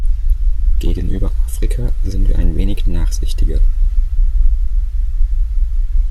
Gegenüber Afrika sind wir ein wenig nachsichtiger.